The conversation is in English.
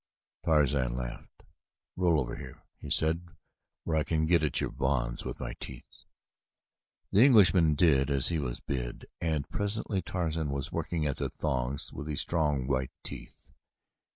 Tarzan laughed. "Roll over here," he said, "where I can get at your bonds with my teeth." The Englishman did as he was bid and presently Tarzan was working at the thongs with his strong white teeth.